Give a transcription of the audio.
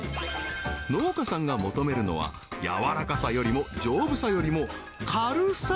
農家さんが求めるのは柔らかさよりも丈夫さよりも軽さ！